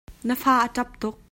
Na fa a ṭap tuk.